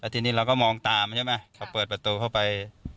ทีนี้เราก็มองตามใช่ไหมเขาเปิดประตูเข้าไป